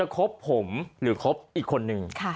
คบผมหรือคบอีกคนนึง